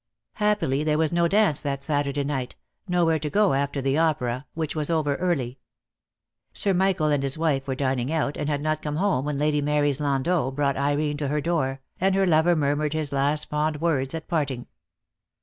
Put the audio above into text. Happily there was no dance that Saturday night, nowhere to go after the opera, which was over early. Sir Michael and his wife were dining out, and had not come home when Lady Mary's landau brought Irene to her door, and her lover murmured his last fond words at parting.